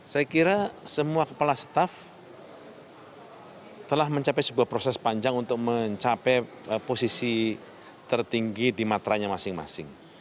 saya kira semua kepala staf telah mencapai sebuah proses panjang untuk mencapai posisi tertinggi di matranya masing masing